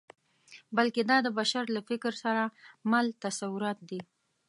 بلکې دا د بشر له فکر سره مل تصورات دي.